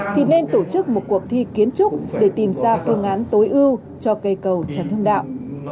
thì nên tổ chức một cuộc thi kiến trúc để tìm ra phương án tối ưu cho cây cầu trần hưng đạo